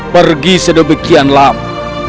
pergi sedekian lama